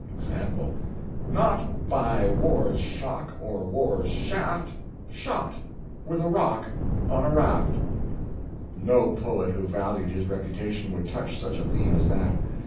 Example: NOT by war's shock, or war's shaft, SHOT, with a rock, on a raft. No poet who valued his reputation would touch such a theme as that.